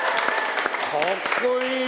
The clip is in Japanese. かっこいい。